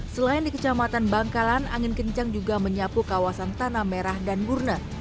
selain di kecamatan bangkalan angin kencang juga menyapu kawasan tanah merah dan burne